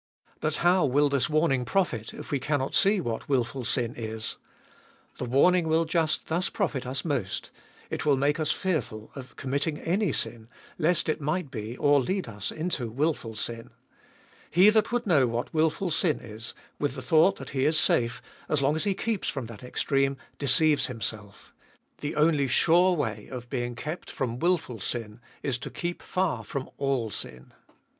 But how will this warning profit, if we cannot see what wilful sin is ? The warning will just thus profit us most — it will make us fearful of committing any sin, lest it might be, or lead us into wilful sin. He that would know what wilful sin is, with the thought that he is safe, as long as he keeps from that extreme, deceives himself. The only sure way of being kept from wilful sin is to keep far from all sin.